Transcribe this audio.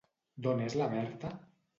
D'on és la Berta?